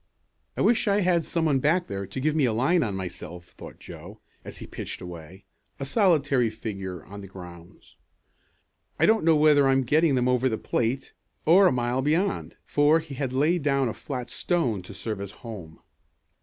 "I wish I had some one back there to give me a line on myself," thought Joe, as he pitched away, a solitary figure on the grounds. "I don't know whether I'm getting them over the plate, or a mile beyond," for he had laid down a flat stone to serve as "home."